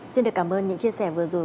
xin được cảm ơn những chia sẻ vừa rồi